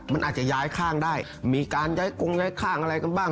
มันอาจจะย้ายข้างได้มีการย้ายกงย้ายข้างอะไรกันบ้าง